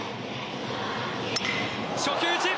初球打ち！